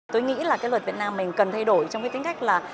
tôi nghĩ là cái luật việt nam mình cần thay đổi trong cái tính cách là